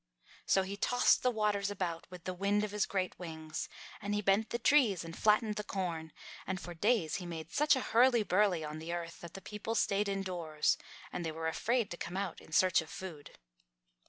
So he tossed the waters about with the wind of his great wings, and he bent the trees and flattened the corn, and for days he made such a hurly burly on the earth that the people stayed indoors, and they were afraid to come out in search of food.